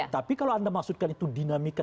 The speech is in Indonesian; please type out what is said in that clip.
tapi kalau anda maksudkan itu dinamika